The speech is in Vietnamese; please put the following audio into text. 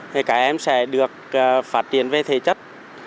thì các em sẽ được phát triển về thể chất